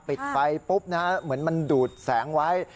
ปิดไฟปุ๊บนะฮะเหมือนมันดูดแสงไว้